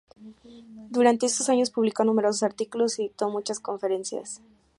Durante estos años publicó numerosos artículos y dictó muchas conferencias.